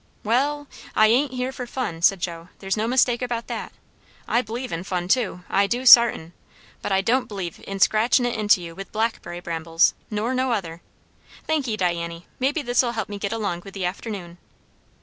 "Wall, I ain't here for fun," said Joe; "there's no mistake about that. I b'lieve in fun too; I do sartain; but I don't b'lieve in scratchin' it into you with blackberry brambles, nor no other. Thank'e, Diany; maybe this'll help me get along with the afternoon."